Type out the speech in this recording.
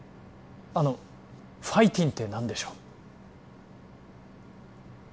あのファイティンって何でしょう？